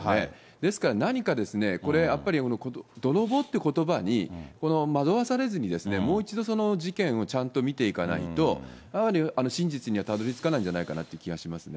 ですから、何かこれ、やっぱり泥棒ってことばに惑わされずに、もう一度、事件をちゃんと見ていかないと、やはり真実にはたどりつかないんじゃないかなという気がしますね。